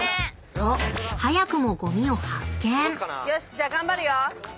じゃあ頑張るよ。